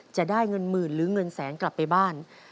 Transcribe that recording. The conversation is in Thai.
จะได้เงินหมื่นหรือเงินแสนกลับไปบ้าน